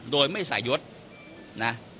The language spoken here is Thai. โดยไม่ใส่ยศนะ